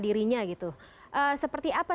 dirinya gitu seperti apa